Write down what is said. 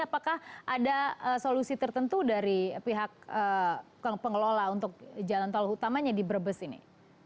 apakah ada solusi tertentu dari pihak pengelola untuk jalan tol utamanya di brebes ini